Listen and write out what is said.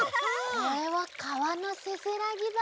これはかわのせせらぎだ。